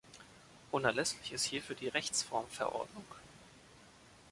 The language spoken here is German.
Unerlässlich ist hierfür die Rechtsform-Verordnung.